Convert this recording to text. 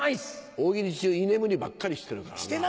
大喜利中居眠りばっかりしてるからな。